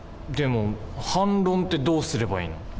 でも反論ってどうすればいいの？